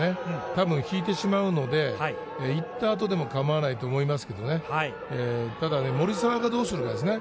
たぶん引いてしまうので、行ったあとでも構わないと思いますけどね、ただ、守澤がどうするかですよね。